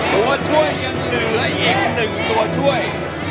ตัวช่วยยังเหลืออีก๑ตัวช่วย